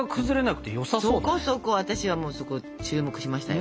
そこそこ私はそこ注目しましたよ。